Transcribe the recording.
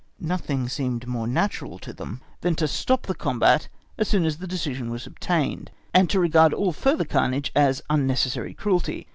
Nothing seemed more natural to them than to stop the combat as soon as the decision was obtained, and to regard all further carnage as unnecessary cruelty.